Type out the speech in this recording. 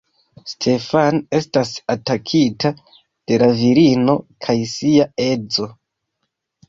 Stefan estas atakita de la virino kaj ŝia edzo.